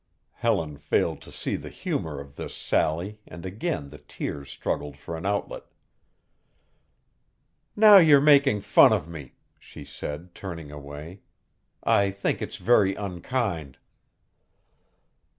Helen failed to see the humor of this sally and again the tears struggled for an outlet. "Now you're making fun of me," she said, turning away. "I think it's very unkind."